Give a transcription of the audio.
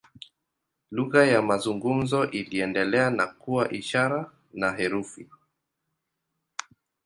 Lugha ya mazungumzo iliendelea na kuwa ishara na herufi.